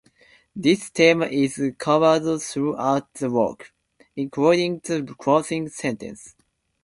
This theme is covered throughout the work, including the closing sentence.